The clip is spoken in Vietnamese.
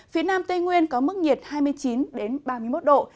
phía nam tây nguyên có mức nhiệt hai mươi chín ba mươi một độ